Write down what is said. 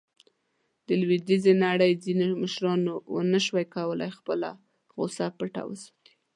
د لویدیځې نړۍ ځینو مشرانو ونه شو کولاې خپله غوصه پټه وساتي.